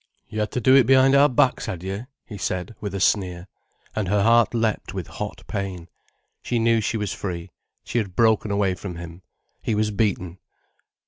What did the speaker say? "You had to do it behind our backs, had you?" he said, with a sneer. And her heart leapt with hot pain. She knew she was free—she had broken away from him. He was beaten.